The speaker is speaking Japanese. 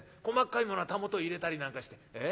細かいものは袂入れたりなんかして。